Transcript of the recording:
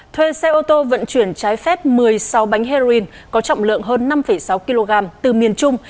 thuê xe ô tô vận chuyển trái phép một mươi sáu bánh heroin có trọng lượng hơn năm sáu kg từ miền trung